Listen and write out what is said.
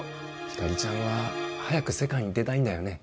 ひかりちゃんは早く世界に出たいんだよね？